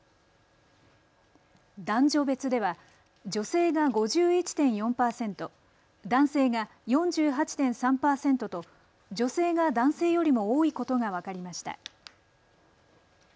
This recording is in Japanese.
男女別では女性が５１．４％、男性が４８．３％と女性が男性よりも多いことが分かりました。